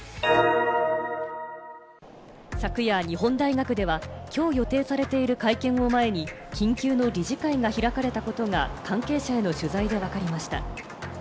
昨夜、日本大学ではきょう予定されている会見を前に、緊急の理事会が開かれたことが関係者への取材でわかりました。